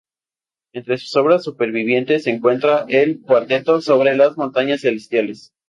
Entre sus obras supervivientes se encuentra el "Cuarteto sobre las montañas celestiales".